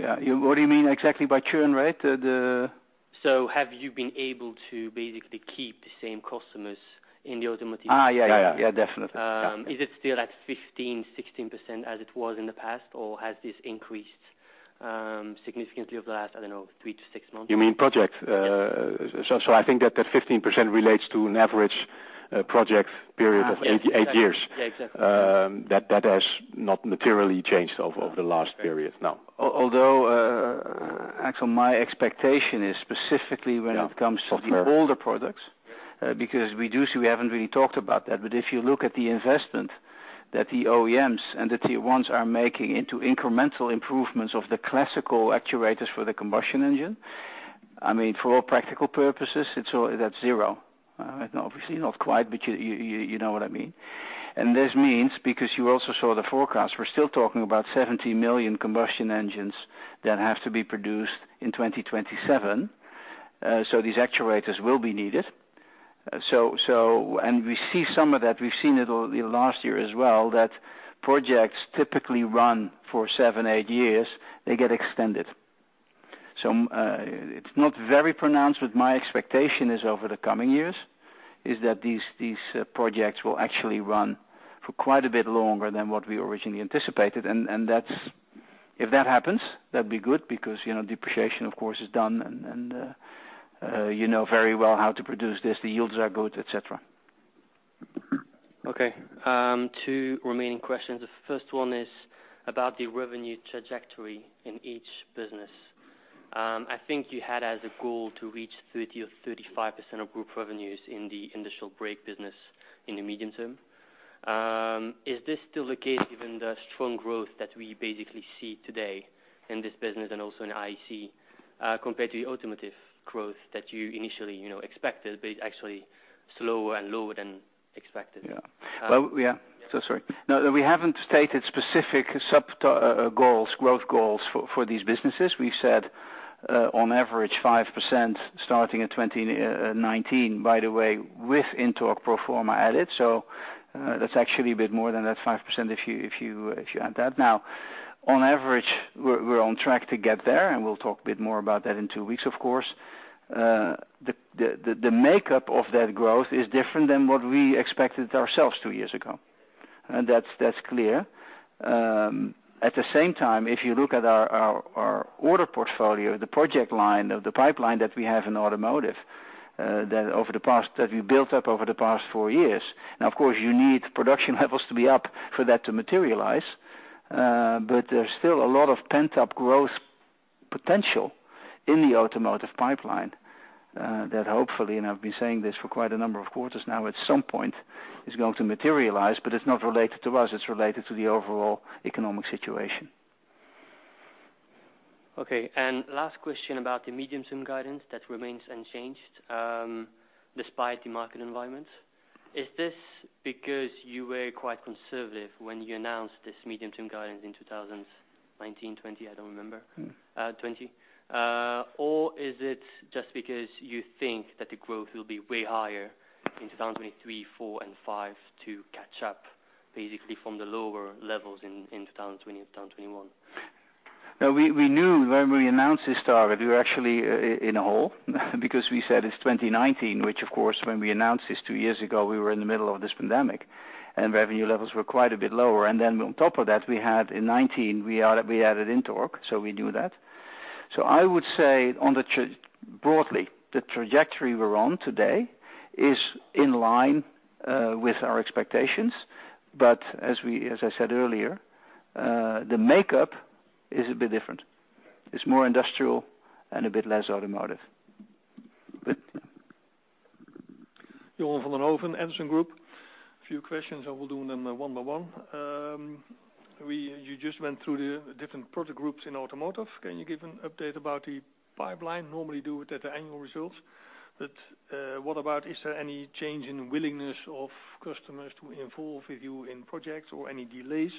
Yeah. What do you mean exactly by churn rate? Have you been able to basically keep the same customers in the automotive sector? Yeah. Definitely. Is it still at 15%-16% as it was in the past? Or has this increased significantly over the last, I don't know, three to six months? You mean projects? So, I think that 15% relates to an average project period of eight years. Yeah, exactly. That has not materially changed over the last period, no. Although, Axel, my expectation is specifically when it comes to the older products. We haven't really talked about that, but if you look at the investment that the OEMs and the tier one are making into incremental improvements of the classical actuators for the combustion engine, I mean, for all practical purposes, that's zero. Obviously not quite, but you know what I mean. This means, because you also saw the forecast, we're still talking about 70 million combustion engines that have to be produced in 2027, so these actuators will be needed. We see some of that. We've seen it last year as well, that projects typically run for seven, eight years, they get extended. It's not very pronounced, but my expectation, over the coming years, is that these projects will actually run for quite a bit longer than what we originally anticipated. If that happens, that'd be good because, you know, depreciation, of course, is done and you know very well how to produce this. The yields are good, et cetera. Okay. Two remaining questions. The first one is about the revenue trajectory in each business. I think you had as a goal to reach 30% or 35% of group revenues in the Industrial Brakes business in the medium term. Is this still the case given the strong growth that we basically see today in this business and also in IAC, compared to the automotive growth that you initially, you know, expected, but it's actually slower and lower than expected? Sorry. No, we haven't stated specific sub goals, growth goals for these businesses. We've said on average 5% starting in 2019, by the way, with INTORQ pro forma added. That's actually a bit more than that 5% if you add that. Now, on average, we're on track to get there, and we'll talk a bit more about that in two weeks, of course. The makeup of that growth is different than what we expected ourselves two years ago. That's clear. At the same time, if you look at our order portfolio, the project line of the pipeline that we have in automotive, that we built up over the past four years, now of course, you need production levels to be up for that to materialize. But there's still a lot of pent-up growth potential in the automotive pipeline, that hopefully, and I've been saying this for quite a number of quarters now, at some point is going to materialize, but it's not related to us. It's related to the overall economic situation. Okay. Last question about the medium-term guidance that remains unchanged, despite the market environment. Is this because you were quite conservative when you announced this medium-term guidance in 2019, 2020? I don't remember. Mm. 20. Is it just because you think that the growth will be way higher in 2023, 2024, and 2025 to catch up basically from the lower levels in 2020, 2021? No, we knew when we announced this target, we were actually in a hole because we said it's 2019, which of course when we announced this two years ago, we were in the middle of this pandemic, and revenue levels were quite a bit lower. Then on top of that, we had, in 2019, we added INTORQ, so we knew that. I would say broadly, the trajectory we're on today is in line with our expectations. As I said earlier, the makeup is a bit different. It's more industrial and a bit less automotive. Johan van den Hoven, Edison Group. A few questions. I will do them one by one. You just went through the different product groups in automotive. Can you give an update about the pipeline? Normally do it at the annual results, but what about, is there any change in willingness of customers to involve with you in projects or any delays?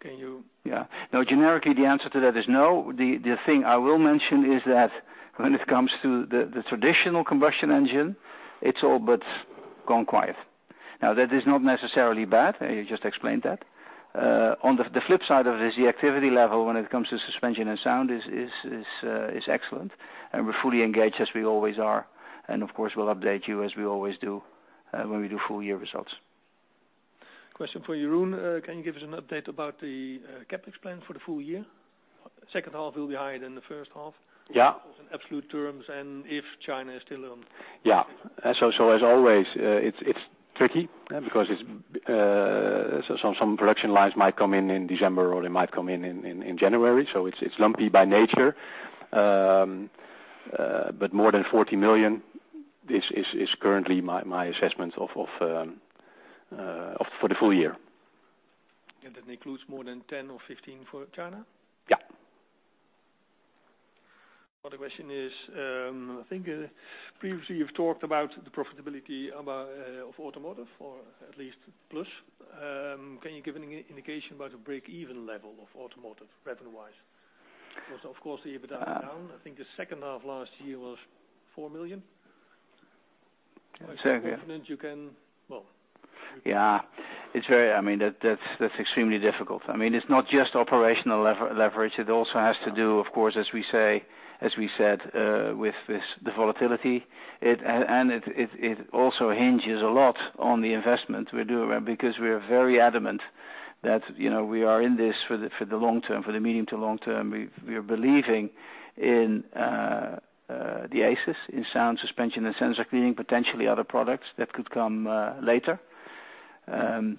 Can you- Yeah. No, generically, the answer to that is no. The thing I will mention is that when it comes to the traditional combustion engine, it's all but gone quiet. Now, that is not necessarily bad. I just explained that. On the flip side of it is the activity level when it comes to suspension and sound is excellent, and we're fully engaged as we always are. Of course, we'll update you as we always do when we do full year results. Question for Jeroen. Can you give us an update about the CapEx plan for the full year? Second half will be higher than the first half. Yeah. Of course, in absolute terms, and if China is still on. Yeah. As always, it's tricky because it's some production lines might come in in December, or they might come in in January. It's lumpy by nature. But more than 40 million is currently my assessment of for the full year. That includes more than 10 or 15 for China? Yeah. Other question is, I think, previously you've talked about the profitability of automotive or at least plus. Can you give an indication about a break-even level of automotive revenue-wise? Because of course, year-to-date down, I think the second half last year was 4 million. Yeah. Well Yeah. It's very, I mean, that's extremely difficult. I mean, it's not just operational leverage. It also has to do, of course, as we said, with the volatility. And it also hinges a lot on the investment we do because we are very adamant that, you know, we are in this for the long term, for the medium to long term. We are believing in the ACES, in sound suspension and sensor cleaning, potentially other products that could come later.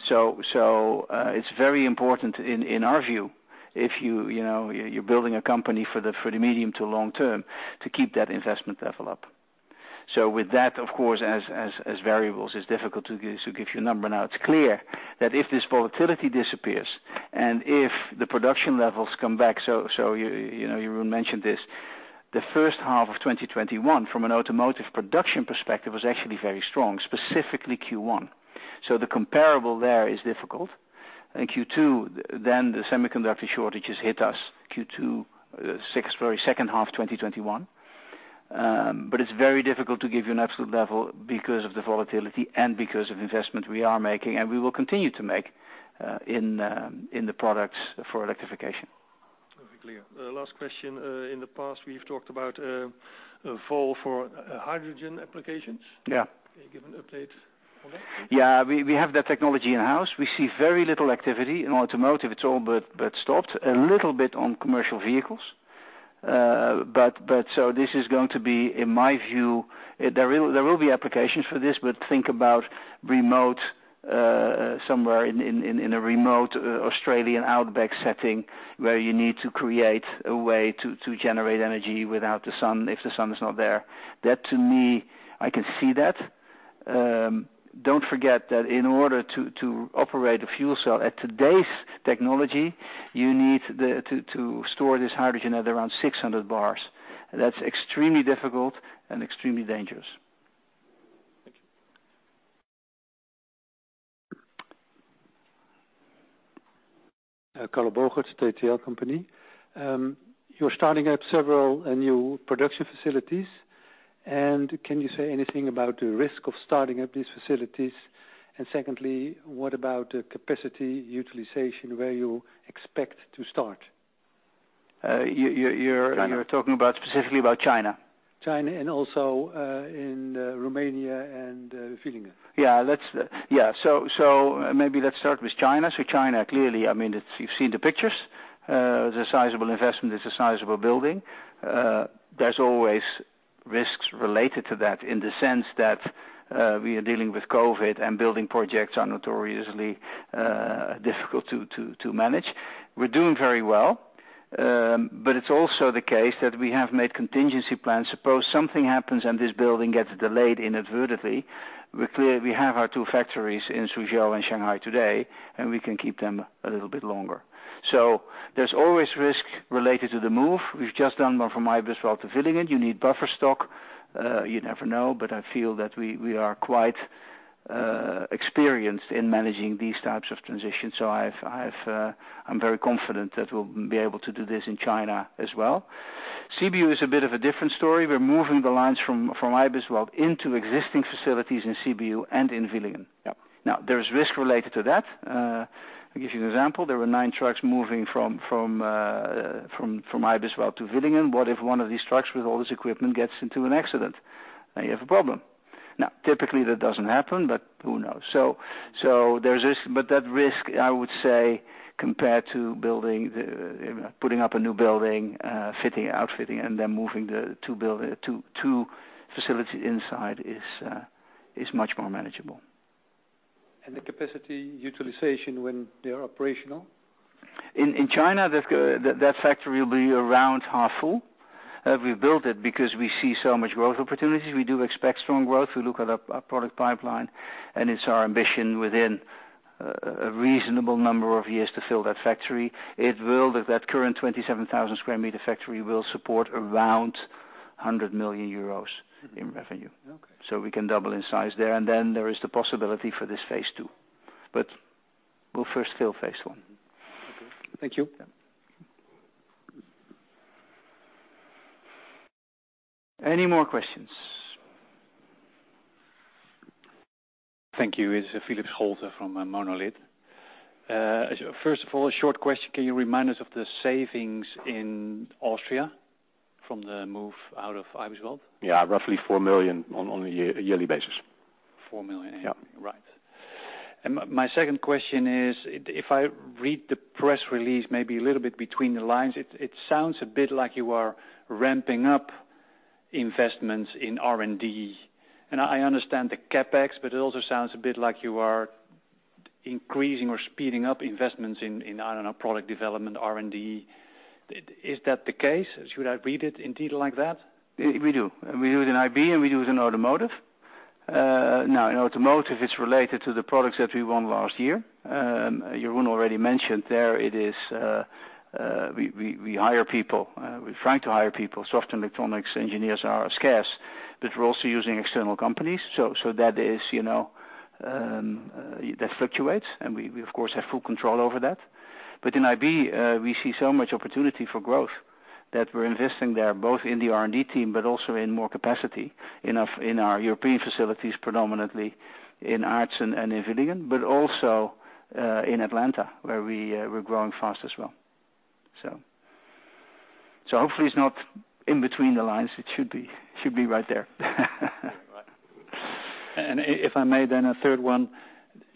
So it's very important, in our view, if you know, you're building a company for the medium to long term to keep that investment level up. With that, of course, as variables, it's difficult to give you a number. Now, it's clear that if this volatility disappears and if the production levels come back, you know, Jeroen mentioned this, the first half of 2021 from an automotive production perspective was actually very strong, specifically Q1. The comparable there is difficult. In Q2, the semiconductor shortages hit us in Q2 or second half 2021. It's very difficult to give you an absolute level because of the volatility and because of investment we are making, and we will continue to make in the products for electrification. Okay. Clear. Last question. In the past, we've talked about valves for hydrogen applications. Yeah. Can you give an update on that, please? Yeah. We have that technology in-house. We see very little activity. In automotive, it's all but stopped. A little bit on commercial vehicles. This is going to be, in my view, there will be applications for this, but think about remote, somewhere in a remote Australian outback setting where you need to create a way to generate energy without the sun, if the sun is not there. That to me, I can see that. Don't forget that in order to operate a fuel cell at today's technology, you need to store this hydrogen at around 600 bars. That's extremely difficult and extremely dangerous. Thank you. Carlo Bogaart, TTL Company. You're starting up several new production facilities, and can you say anything about the risk of starting up these facilities? Secondly, what about the capacity utilization, where you expect to start? You're talking about specifically about China? China and also in Romania and Villingen. Maybe let's start with China. China, clearly, I mean, you've seen the pictures. It's a sizable investment. It's a sizable building. There's always risks related to that in the sense that we are dealing with COVID, and building projects are notoriously difficult to manage. We're doing very well, but it's also the case that we have made contingency plans. Suppose something happens and this building gets delayed inadvertently, we have our two factories in Suzhou and Shanghai today, and we can keep them a little bit longer. There's always risk related to the move. We've just done one from Eibiswald to Villingen. You need buffer stock. You never know. I feel that we are quite experienced in managing these types of transitions. I'm very confident that we'll be able to do this in China as well. Sibiu is a bit of a different story. We're moving the lines from Eibiswald into existing facilities in Sibiu and in Villingen. Yeah. Now, there's risk related to that. I'll give you an example. There were nine trucks moving from Eibiswald to Villingen. What if one of these trucks with all this equipment gets into an accident? Now you have a problem. Now, typically, that doesn't happen, but who knows? There's risk. That risk, I would say, compared to building, putting up a new building, fitting, outfitting, and then moving the two buildings to two facilities inside is much more manageable. The capacity utilization when they are operational? In China, that factory will be around half full. We built it because we see so much growth opportunities. We do expect strong growth. We look at our product pipeline, and it's our ambition within a reasonable number of years to fill that factory. That current 27,000 square meter factory will support around 100 million euros in revenue. Okay. We can double in size there, and then there is the possibility for this phase II. We'll first fill phase I. Okay. Thank you. Yeah. Any more questions? Thank you. It's Philip Holter from Monolith. First of all, a short question. Can you remind us of the savings in Austria from the move out of Eibiswald? Yeah. Roughly 4 million on a yearly basis. 4 million. Yeah. Right. My second question is, if I read the press release maybe a little bit between the lines, it sounds a bit like you are ramping up investments in R&D. I understand the CapEx, but it also sounds a bit like you are Increasing or speeding up investments in, I don't know, product development, R&D. Is that the case? Should I read it indeed like that? We do. We do it in IB, and we do it in automotive. Now in automotive, it's related to the products that we won last year. Jeroen already mentioned there it is, we hire people, we try to hire people. Software and electronics engineers are scarce, but we're also using external companies. That is, you know, that fluctuates, and we, of course, have full control over that. In IB, we see so much opportunity for growth that we're investing there, both in the R&D team, but also in more capacity in our European facilities, predominantly in Aerzen and in Villingen, but also in Atlanta, where we're growing fast as well. Hopefully it's not between the lines. It should be right there. If I may then a third one,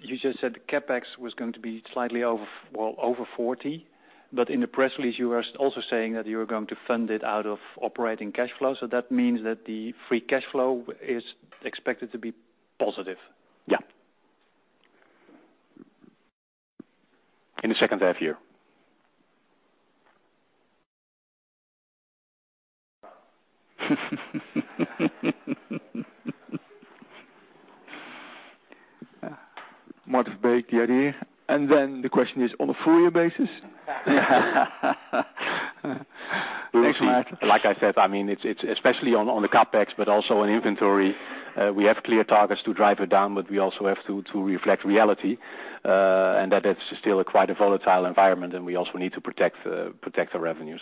you just said the CapEx was going to be slightly over, well, over 40 million, but in the press release, you were also saying that you were going to fund it out of operating cash flow. That means that the Free Cash Flow is expected to be positive. Yeah. In the second half year. Martijn den Drijver, you are here. The question is on a full year basis? We'll see. Thanks, Martijn. Like I said, I mean, it's especially on the CapEx, but also on inventory, we have clear targets to drive it down, but we also have to reflect reality, and that it's still quite a volatile environment, and we also need to protect the revenue.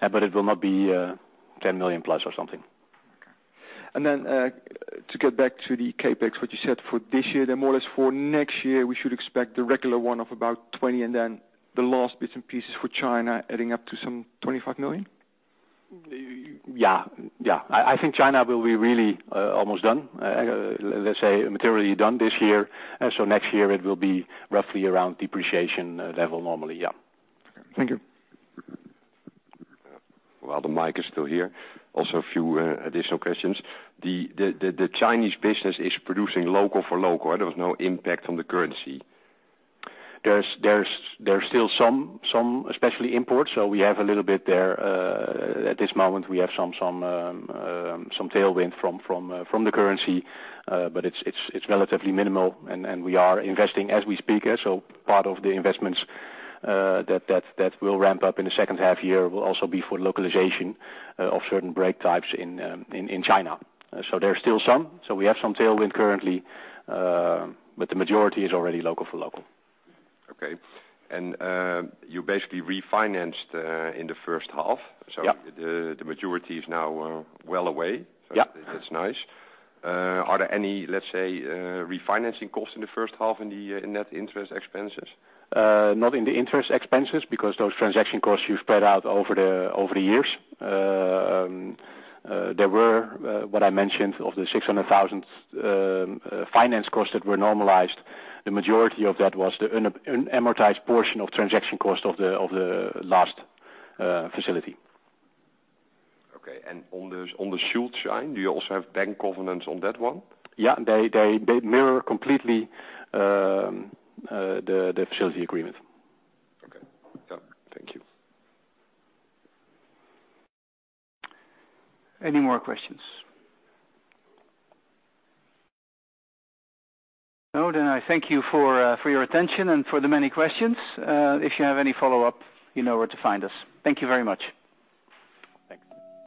But it will not be 10 million plus or something. Okay. To get back to the CapEx, what you said for this year, then more or less for next year, we should expect the regular one of about 20 million and then the last bits and pieces for China adding up to some 25 million? Yeah. I think China will be really almost done, let's say materially done this year. Next year, it will be roughly around depreciation level normally, yeah. Thank you. While the mic is still here, also a few additional questions. The Chinese business is producing local for local, right? There was no impact on the currency. There's still some special imports. We have a little bit there. At this moment, we have some tailwind from the currency, but it's relatively minimal. We are investing as we speak. Part of the investments that will ramp up in the second half year will also be for localization of certain brake types in China. There's still some. We have some tailwind currently, but the majority is already local for local. Okay. You basically refinanced in the first half. Yeah. The majority is now well away. Yeah. That's nice. Are there any, let's say, refinancing costs in the first half in the net interest expenses? Not in the interest expenses because those transaction costs you spread out over the years. There were what I mentioned of the 600,000 finance costs that were normalized, the majority of that was the unamortized portion of transaction cost of the last facility. Okay. On the Schuldschein, do you also have bank covenants on that one? Yeah. They mirror completely the facility agreement. Okay. Yeah. Thank you. Any more questions? No, then I thank you for your attention and for the many questions. If you have any follow-up, you know where to find us. Thank you very much. Thanks.